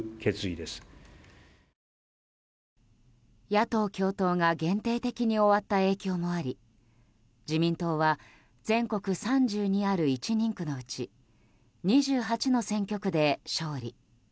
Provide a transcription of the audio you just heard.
野党共闘が限定的に終わった影響もあり自民党は全国３２ある１人区のうち２８の選挙区で勝利。